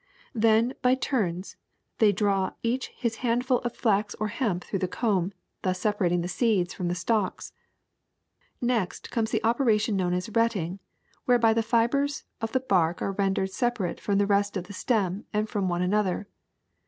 Then, by turns, they draw each his handful u THE SECRET OF EVERYDAY THINGS of flax or liemp through the comb, thus separating the seeds from the stalks. *'Next comes the operation known as retting, whereby the fibers of the bark are rendered separ able from the rest of the stem and from one another.